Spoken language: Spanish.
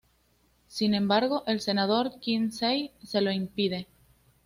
Sin embargo, el Senador Kinsey se lo impide.